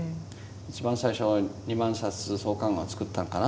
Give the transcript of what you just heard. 一番最初は２万冊創刊号は作ったのかな。